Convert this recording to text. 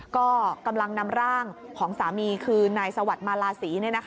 ก็กำลังนำร่างของสามีคือนายสวัสดิ์มาลาศรี